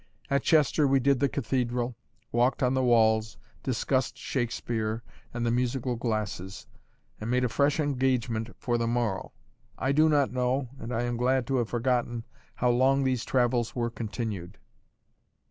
At Chester we did the Cathedral, walked on the walls, discussed Shakespeare and the musical glasses and made a fresh engagement for the morrow. I do not know, and I am glad to have forgotten, how long these travels were continued.